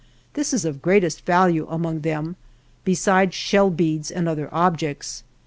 This is of greatest value among them, besides shell beads and other objects.